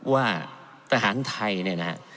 ว่าทหารไทยเนี่ยนะฮะ